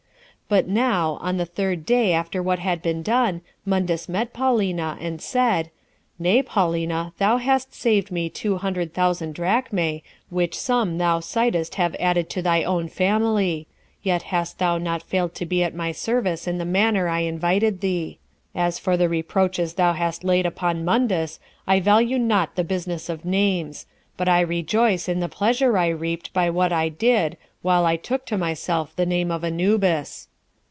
But now, on the third day after what had been done, Mundus met Paulina, and said, "Nay, Paulina, thou hast saved me two hundred thousand drachmae, which sum thou mightest have added to thy own family; yet hast thou not failed to be at my service in the manner I invited thee. As for the reproaches thou hast laid upon Mundus, I value not the business of names; but I rejoice in the pleasure I reaped by what I did, while I took to myself the name of Anubis."